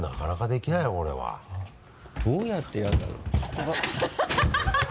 どうやってやるんだろう？ハハハ